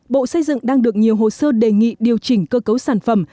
bộ xây dựng đang được nhiều hồ sơ đề nghị điều chỉnh cơ cấu sản phẩm